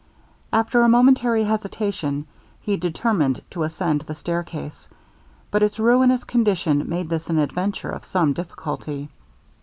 After a momentary hesitation, he determined to ascend the stair case, but its ruinous condition made this an adventure of some difficulty.